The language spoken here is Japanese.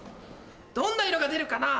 どんな色が出るかな？